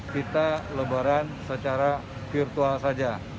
kita lebaran secara virtual saja